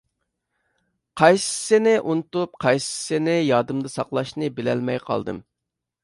قايسىسىنى ئۇنتۇپ، قايسىسىنى يادىمدا ساقلاشنى بىلەلمەي قالدىم.